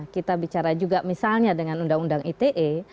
kita bicara juga misalnya dengan undang undang ite